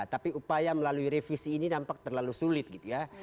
tapi upaya melalui revisi ini nampak terlalu sulit gitu ya